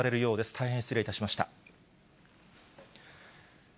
大変失礼いたしました。